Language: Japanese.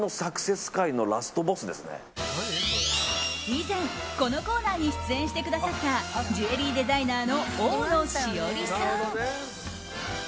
以前、このコーナーに出演してくださったジュエリーデザイナーの大野詩織さん。